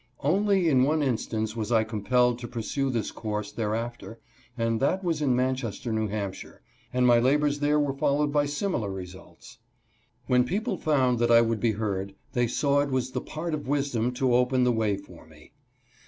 Only in one instance was I compelled to pursue this course thereafter, and that was in Manches ter, N. H., and my labors there were followed by similar results. When people found that I would be heard, they saw it was the part of wisdom to open the way for me.